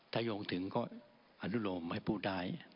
ถ้าโยงถึงก็อนุโลมให้พูดได้